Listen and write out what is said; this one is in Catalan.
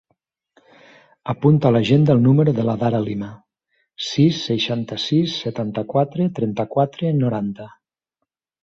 Apunta a l'agenda el número de l'Adara Lima: sis, seixanta-sis, setanta-quatre, trenta-quatre, noranta.